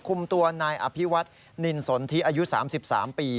คุมตัวนายอภิวัตนินสนทิอายุ๓๓ปี